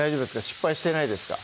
失敗してないですか？